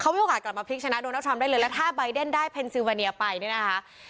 มีโอกาสกลับมาพลิกชนะโดนัลดทรัมป์ได้เลยแล้วถ้าใบเดนได้เพนซิวาเนียไปเนี่ยนะคะ